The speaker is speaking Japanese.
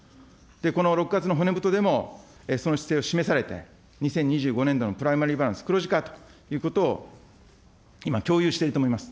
この６月の骨太でもその姿勢を示されて、２０２５年度のプライマリーバランス黒字化ということを今、共有していると思います。